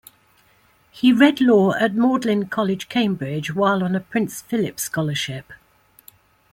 He read law at Magdalene College, Cambridge while on a Prince Philip Scholarship.